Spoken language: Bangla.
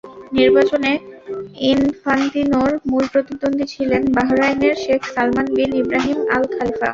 নির্বাচনে ইনফান্তিনোর মূল প্রতিদ্বন্দ্বী ছিলেন বাহরাইনের শেখ সালমান বিন ইব্রাহিম আল-খলিফা।